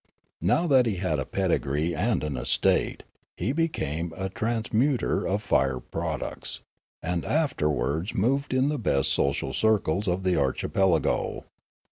Now that he had a pedigree and an estate, he became a transmuter of fire products, and he after wards moved in the best social circles of the archipel ago.